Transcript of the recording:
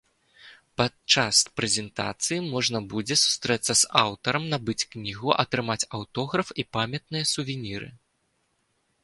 Падчас прэзентацыі можна будзе сустрэцца з аўтарам, набыць кнігу, атрымаць аўтограф і памятныя сувеніры.